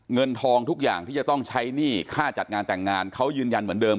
เงินทองทุกอย่างที่จะต้องใช้หนี้ค่าจัดงานแต่งงานเขายืนยันเหมือนเดิม